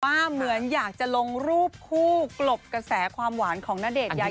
เหมือนอยากจะลงรูปคู่กลบกระแสความหวานของณเดชน์ยาย